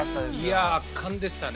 圧巻でしたね。